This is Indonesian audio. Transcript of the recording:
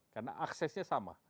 karena aksesnya sama